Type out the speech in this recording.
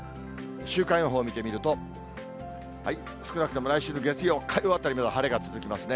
週間予報見てみると、少なくとも来週月曜、火曜あたりまで晴れが続きますね。